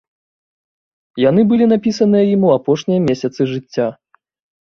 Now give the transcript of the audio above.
Яны былі напісаныя ім у апошнія месяцы жыцця.